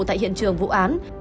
tại hiện trường vụ án